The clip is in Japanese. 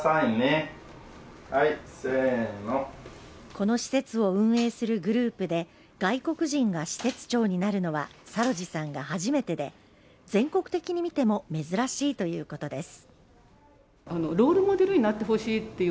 この施設を運営するグループで外国人が施設長になるのはサロジさんが初めてで全国的に見ても珍しいということです。